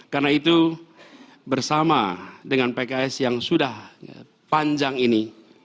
karena itu bersama dengan pks yang sudah panjang ini